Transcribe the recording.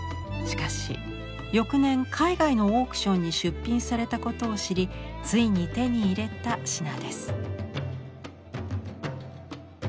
しかし翌年海外のオークションに出品されたことを知りついに手に入れた品です。